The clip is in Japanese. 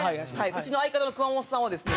うちの相方の熊元さんはですね